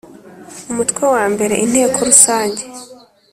Umutwe wa mbere Inteko rusange